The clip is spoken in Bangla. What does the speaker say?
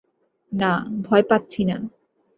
না, ভয় পাচ্ছি না।